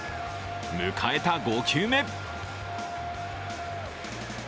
迎えた５球目。